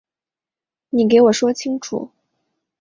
你给我说清楚